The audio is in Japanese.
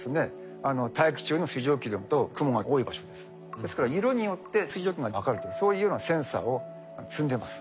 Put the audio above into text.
ですから色によって水蒸気が分かるというそういうようなセンサーを積んでます。